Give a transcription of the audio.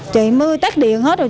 chị mới tắt điện hết rồi